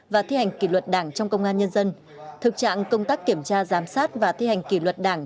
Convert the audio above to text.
và thi hành kỷ luật đảng trong công an nhân dân thực trạng công tác kiểm tra giám sát và thi hành kỷ luật đảng